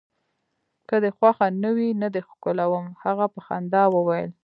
که دي خوښه نه وي، نه دي ښکلوم. هغه په خندا وویل.